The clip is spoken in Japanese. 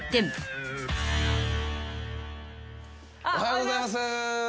おはようございます。